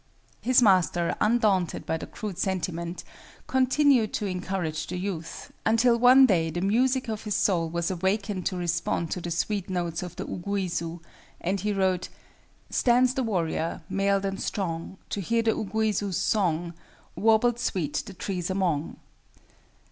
His master, undaunted by the crude sentiment, continued to encourage the youth, until one day the music of his soul was awakened to respond to the sweet notes of the uguisu, and he wrote "Stands the warrior, mailed and strong, To hear the uguisu's song, Warbled sweet the trees among."